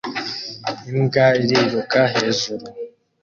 Imbwa iriruka hejuru